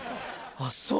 あっそう！